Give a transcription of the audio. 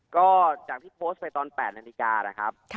ก็จากที่โพสต์ไปตอน๘นาฬิกานะครับ